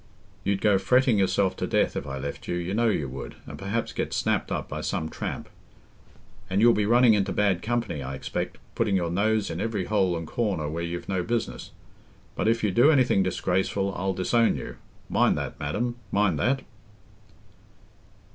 You'd go fretting yourself to death if I left you—you know you would, and perhaps get snapped up by some tramp. And you'll be running into bad company, I expect, putting your nose in every hole and corner where you've no business! But if you do anything disgraceful, I'll disown you—mind that, madam, mind that!"